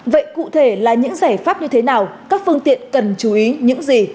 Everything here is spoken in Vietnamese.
vậy cụ thể là những giải pháp như thế nào các phương tiện cần chú ý những gì